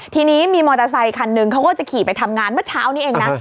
ทีนี้มีมอเตอร์ไซคันนึงเขาก็จะขี่ไปทำงานเมื่อเช้านี้เองนะ